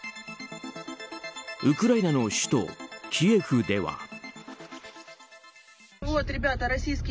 ウクライナの首都キエフでは。